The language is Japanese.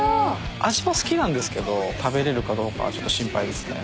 味は好きなんですけど食べれるかどうかはちょっと心配ですね。